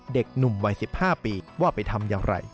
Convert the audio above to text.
เด็กหนุ่มวัย๑๕ปีว่าไปทำอย่างไร